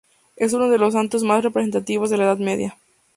Es uno de los santos más representativos de la Edad Media.